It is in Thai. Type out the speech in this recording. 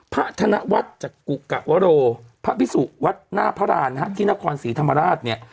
ธนวัฒน์จากกุกะวโรพระพิสุวัดหน้าพระราณที่นครศรีธรรมราชเนี่ย